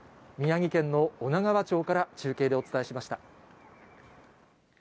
宮城県の女川町から中継でお伝えしました。